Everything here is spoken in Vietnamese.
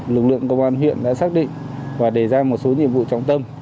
lực lượng công an huyện đã xác định và đề ra một số nhiệm vụ trọng tâm